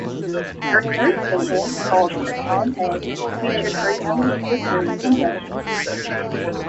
Her third single called ‘Asante’ featured her younger sister Pendo.